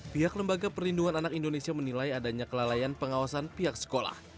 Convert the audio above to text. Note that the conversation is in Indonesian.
pihak lembaga perlindungan anak indonesia menilai adanya kelalaian pengawasan pihak sekolah